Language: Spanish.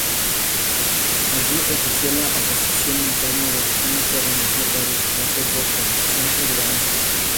Allí ejerció la oposición interna, dedicándose a denunciar varios casos de corrupción urbanística.